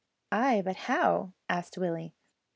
"Ay, but how?" asked Willie.